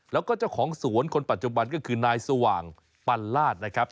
แล้วก็เจ้าของสวนคนปัจจุบันก็คือนายสว่างปันลาศนะครับ